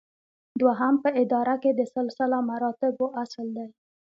دوهم په اداره کې د سلسله مراتبو اصل دی.